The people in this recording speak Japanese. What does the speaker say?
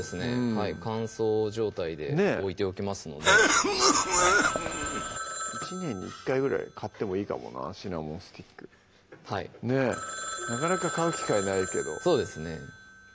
乾燥状態で置いておきますので１年に１回ぐらい買ってもいいかもなシナモンスティックはいなかなか買う機会ないけどそうですね